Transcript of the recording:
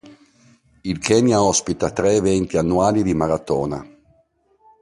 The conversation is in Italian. Il Kenya ospita tre eventi annuali di maratona.